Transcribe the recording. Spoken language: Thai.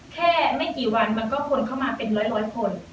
แค่ไม่กี่วันมันก็คนเข้ามาเป็นร้อยคน